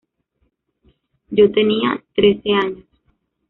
Yo tenía trece años.